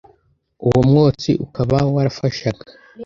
uwo mwotsi ukaba warafashaga